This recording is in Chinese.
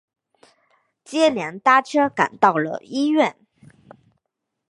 接连搭车赶到了医院